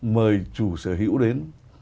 mời chủ sở hữu đến